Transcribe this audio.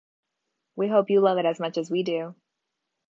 We hope you love it as much as we do.